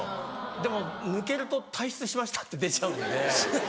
でも抜けると「退出しました」って出ちゃうので。